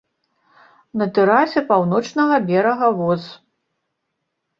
На тэрасе паўночнага берага воз.